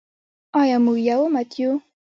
آیا موږ یو امت یو؟